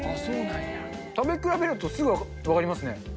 食べ比べるとすぐ分かりますね。